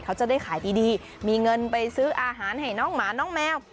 เขาจะได้ขายดีมีเงินไปซื้ออาหารให้น้องหมาน้องแมว